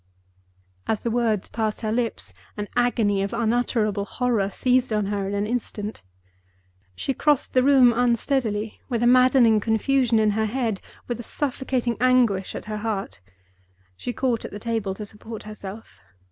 As the words passed her lips, an agony of unutterable horror seized on her in an instant. She crossed the room unsteadily, with a maddening confusion in her head, with a suffocating anguish at her heart. She caught at the table to support herself.